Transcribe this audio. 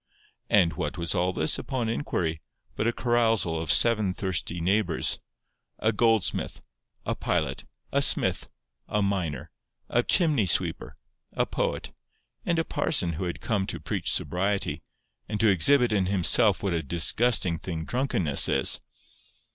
And what was all this, upon inquiry, but a carousal of seven thirsty neighbours,—a goldsmith, a pilot, a smith, a miner, a chimney sweeper, a poet, and a parson who had come to preach sobriety, and to exhibit in himself what a disgusting thing drunkenness is!